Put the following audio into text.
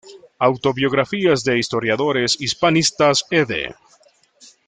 Autobiografías de historiadores hispanistas, Ed.